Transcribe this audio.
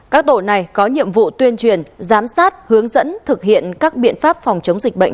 các tổ này có nhiệm vụ tuyên truyền giám sát hướng dẫn thực hiện các biện pháp phòng chống dịch bệnh